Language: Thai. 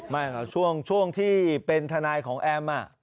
ไม่แต่ช่วงที่เป็นทนายของแอมอ่ะ